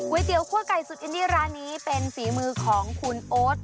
เตี๋ยคั่วไก่สุดอินดี้ร้านนี้เป็นฝีมือของคุณโอ๊ต